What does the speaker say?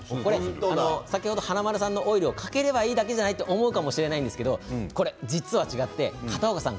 先ほどの華丸さんのオイルをかければいいだけじゃないと思うかもしれませんけれども違って片岡さん